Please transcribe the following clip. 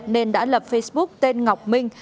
nên đã lập facebook tên ngọc minh